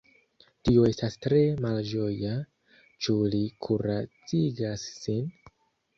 Tio estas tre malĝoja; ĉu li kuracigas sin?